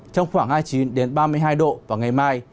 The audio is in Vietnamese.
trong khoảng hai mươi chín ba mươi hai độ vào ngày mai